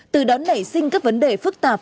từ đó nảy sinh các vấn đề phức tạp